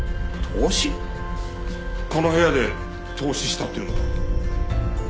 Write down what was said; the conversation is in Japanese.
この部屋で凍死したっていうのか？